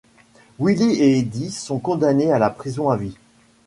Willie et Eddie sont condamnés à la prison à vie.